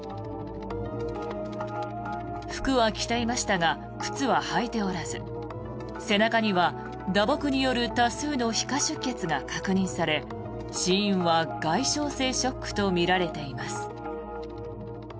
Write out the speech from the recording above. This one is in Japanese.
服は着ていましたが靴は履いておらず背中には、打撲による多数の皮下出血が確認され死因は外傷性ショックとみられています。